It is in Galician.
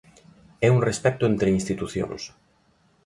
É un respecto entre institucións.